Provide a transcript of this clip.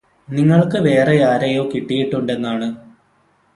നിങ്ങൾക്ക് വേറെയാരെയോ കിട്ടിയിട്ടുണ്ടന്നാണ്